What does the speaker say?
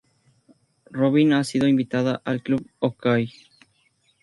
Robin ha sido invitada al club "Okay".